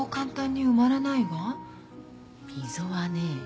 溝はね